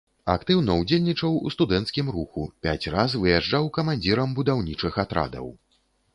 Актыўна ўдзельнічаў у студэнцкім руху, пяць раз выязджаў камандзірам будаўнічых атрадаў.